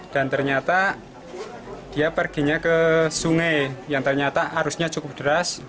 dan ternyata dia perginya ke sungai yang ternyata arusnya cukup deras